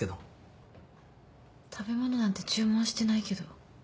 食べ物なんて注文してないけど。